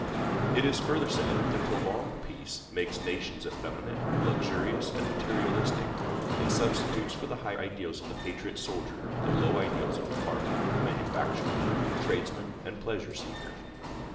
It is further said that prolonged peace makes nations effeminate, luxurious, and materialistic, and substitutes for the high ideals of the patriot soldier the low ideals of the farmer, manufacturer, tradesman, and pleasure seeker.